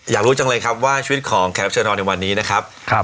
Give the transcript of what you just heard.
อยากรู้จังเลยครับว่าชีวิตของแขกรับเชิญนอนในวันนี้นะครับ